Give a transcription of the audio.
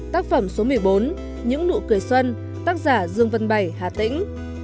tác phẩm số một mươi bốn những nụ cười xuân tác giả dương vân bảy hà tĩnh